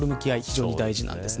非常に大事なんです。